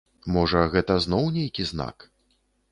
Можа, гэта зноў нейкі знак?